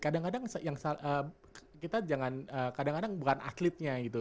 kadang kadang yang kita jangan kadang kadang bukan atletnya gitu